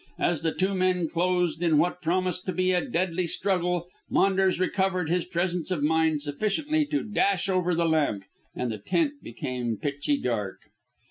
As the two men closed in what promised to be a deadly struggle Maunders recovered his presence of mind sufficiently to dash over the lamp, and the tent became pitchy dark.